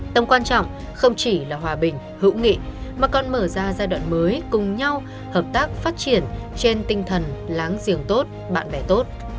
tầm quan trọng không chỉ là hòa bình hữu nghị mà còn mở ra giai đoạn mới cùng nhau hợp tác phát triển trên tinh thần láng giềng tốt bạn bè tốt